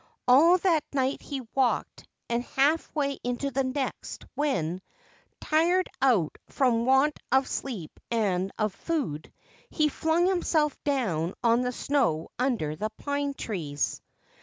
All that night he walked, and half way into the next, when, tired out from want of sleep and of food, he flung himself down on the snow under the pine trees.